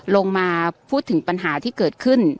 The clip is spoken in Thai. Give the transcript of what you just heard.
ลงมาพูดถึงปัญหาที่เกิดขึ้น